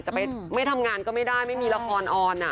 จะไปไม่ทำงานก็ไม่ได้ไม่มีละครออน